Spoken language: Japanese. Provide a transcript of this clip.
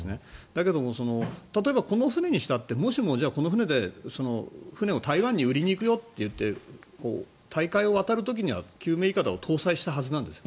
だけど、例えばこの船にしたってもしも、この船で船を台湾に売りに行くよと言って大海を渡る時には救命いかだを搭載するはずなんです。